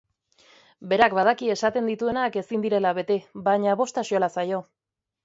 Berak badaki esaten dituenak ezin direla bete, baina bost axola zaio.